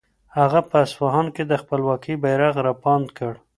هغه په اصفهان کې د خپلواکۍ بیرغ رپاند کړ.